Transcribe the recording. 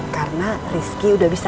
karena rizky udah berjaya